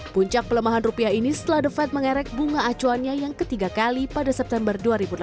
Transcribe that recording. puncak pelemahan rupiah ini setelah the fed mengerek bunga acuannya yang ketiga kali pada september dua ribu delapan belas